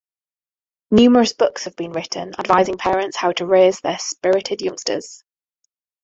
Numerous books have been written advising parents how to raise their spirited youngsters.